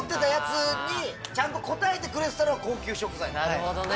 なるほどね。